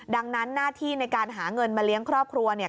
ดังนั้นหน้าที่ในการหาเงินมาเลี้ยงครอบครัวเนี่ย